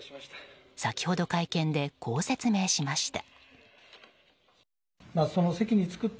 先ほど、会見でこう説明しました。